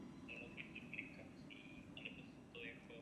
Ve snímku obě zpívaly.